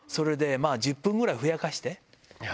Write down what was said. １０分ぐらいふやかして。